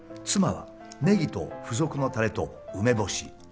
妻はネギと付属のたれと梅干し。